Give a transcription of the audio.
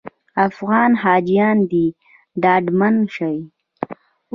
افغان حاجیان دې ډاډمن شي.